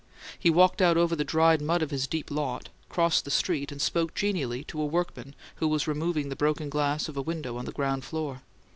He walked out over the dried mud of his deep lot, crossed the street, and spoke genially to a workman who was removing the broken glass of a window on the ground floor.